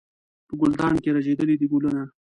په ګلدان کې رژېدلي دي ګلونه